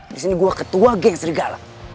disini gue ketua geng serigala